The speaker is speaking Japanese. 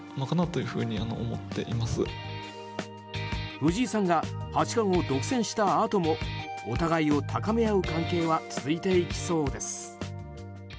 藤井さんが八冠を独占したあともお互いを高め合う関係は続いていきそうです。